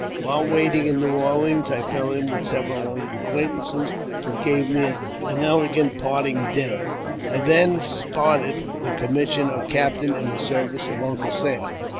While! waiting in New Orleans I fell in with several old acquaintances^] who gave me an elegant parting dinner. I then sported the] commission of captain in the service of Uncle Sam.